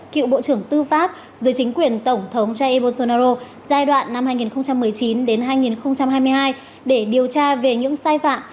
cựu bộ trưởng tư pháp dưới chính quyền tổng thống jair bolsonaro giai đoạn năm hai nghìn một mươi chín hai nghìn hai mươi hai để điều tra về những sai phạm